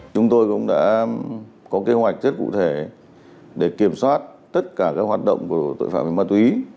chúng tôi cũng đã có kế hoạch rất cụ thể để kiểm soát tất cả các hoạt động của tội phạm về ma túy